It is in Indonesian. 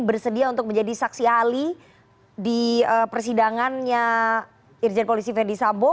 bersedia untuk menjadi saksi ahli di persidangannya irjen polisi verdi sambo